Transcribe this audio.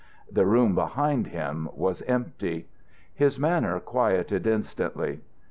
The room behind him was empty. His manner quieted instantly.